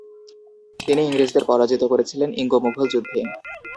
তিনি ইংরেজদের পরাজিত করেছিলেন ইঙ্গ-মুঘল যুদ্ধে।